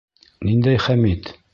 Ниндәй Хәмит?